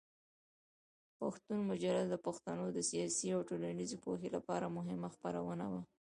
پښتون مجله د پښتنو د سیاسي او ټولنیزې پوهې لپاره مهمه خپرونه وه.